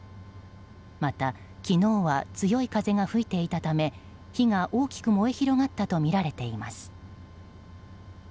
また、昨日は強い風が吹いていたため火が大きく燃え広がったとみられています。